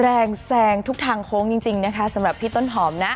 แซงทุกทางโค้งจริงนะคะสำหรับพี่ต้นหอมนะ